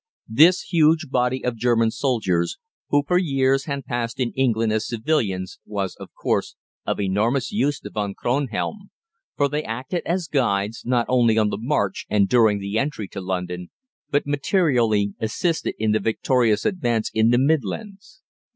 This huge body of German soldiers, who for years had passed in England as civilians, was, of course, of enormous use to Von Kronhelm, for they acted as guides not only on the march and during the entry to London, but materially assisted in the victorious advance in the Midlands.